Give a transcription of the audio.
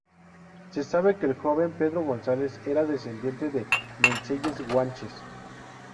Se sabe que el joven Pedro González era descendiente de menceyes guanches.